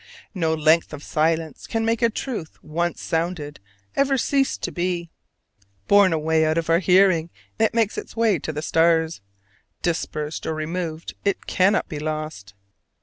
No length of silence can make a truth once sounded ever cease to be: borne away out of our hearing it makes its way to the stars: dispersed or removed it cannot be lost.